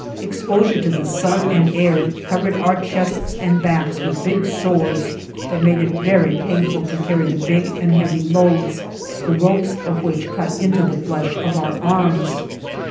Exposure to the sun and air covered our chests and backs with big sores that made it very painful to carry the big and heavy loads, the ropes of which cut into the flesh of our arms.